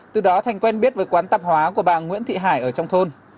từ đó thành quen biết với quán tạp hóa của bà nguyễn thị hải ở trong thôn